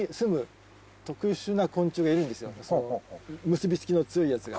結び付きの強いやつが。